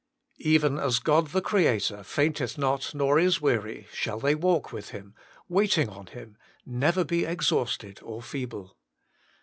Even as God the Creator fainteth not nor is weary, shall they who walk with Him, waiting on Him, never be exhausted or feeble.